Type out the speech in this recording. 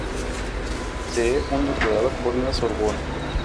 Posee un doctorado por La Sorbona.